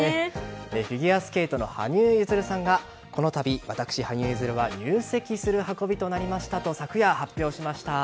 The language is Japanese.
フィギュアスケートの羽生結弦さんがこのたび私、羽生結弦は入籍する運びとなりましたと昨夜、発表しました。